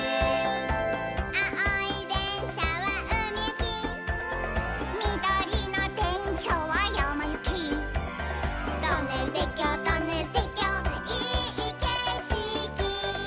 「あおいでんしゃはうみゆき」「みどりのでんしゃはやまゆき」「トンネルてっきょうトンネルてっきょういいけしき」